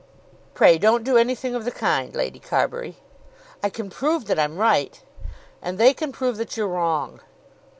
"Pray don't do anything of the kind, Lady Carbury." "I can prove that I'm right." "And they can prove that you're wrong."